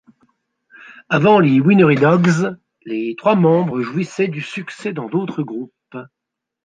Avant les Winery Dogs, les trois membres jouissaient du succès dans d'autres groupes.